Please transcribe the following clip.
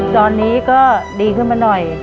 ตอนนี้ก็ดีขึ้นมาหน่อย